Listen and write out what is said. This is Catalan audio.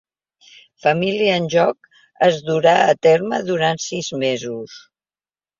"Família en joc" es durà a terme durant sis mesos.